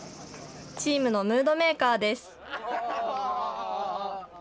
チームのムードメーカーです。